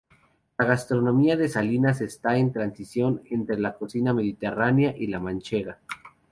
La gastronomía de Salinas está en transición entre la cocina mediterránea y la manchega.